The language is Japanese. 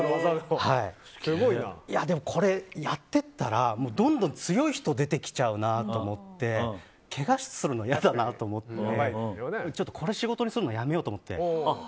でもこれ、やっていったらどんどん強い人が出てきちゃうなって思ってけがするの嫌だなと思ってちょっとこれ仕事にするのやめようと思って。